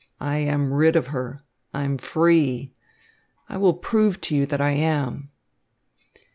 I am rid of her! I am free! I will prove to you that I am."